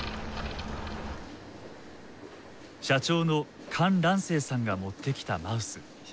社長の韓藍青さんが持ってきたマウス。